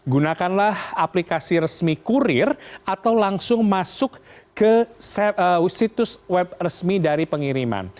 gunakanlah aplikasi resmi kurir atau langsung masuk ke situs web resmi dari pengiriman